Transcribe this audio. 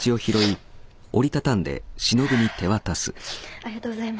ありがとうございます。